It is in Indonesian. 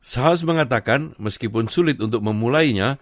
saus mengatakan meskipun sulit untuk memulainya